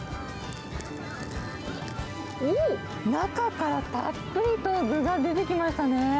中からたっぷりと具が出てきましたね。